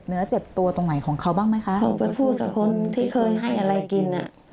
เนื้อเจ็บตัวตรงไหนของเขาบ้างไหมคะเขาไปพูดกับคนที่เคยให้อะไรกินอ่ะ